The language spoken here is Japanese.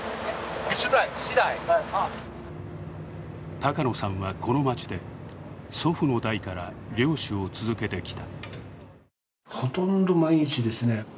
高野さんはこの町で祖父の代から漁師を続けてきた。